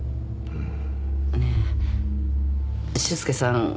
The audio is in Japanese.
うん。